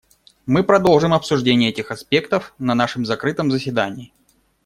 Мы продолжим обсуждение этих аспектов на нашем закрытом заседании.